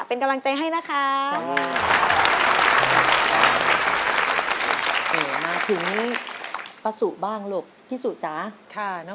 เป็นกำลังใจให้นะคะ